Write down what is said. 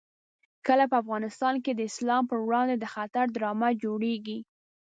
کله په افغانستان کې د اسلام په وړاندې د خطر ډرامه جوړېږي.